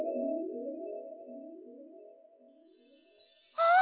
あっ！